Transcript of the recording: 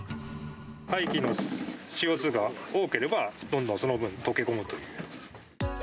大気のＣＯ２が多ければどんどんその分溶け込むと。